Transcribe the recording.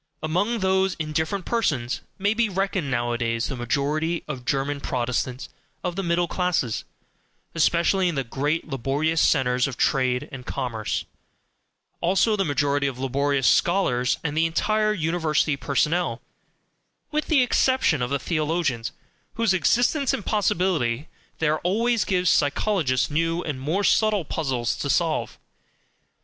Among those indifferent persons may be reckoned nowadays the majority of German Protestants of the middle classes, especially in the great laborious centres of trade and commerce; also the majority of laborious scholars, and the entire University personnel (with the exception of the theologians, whose existence and possibility there always gives psychologists new and more subtle puzzles to solve).